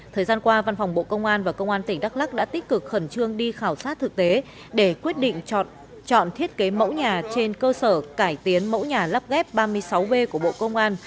thời gian qua văn phòng bộ công an và công an tỉnh đắk lắc đã tích cực khẩn trương đi khảo sát thực tế để quyết định chọn thiết kế mẫu nhà trên cơ sở cải tiến mẫu nhà lắp ghép ba mươi sáu b của bộ công an